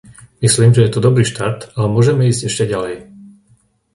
Myslím, že je to dobrý štart, ale môžeme ísť ešte ďalej.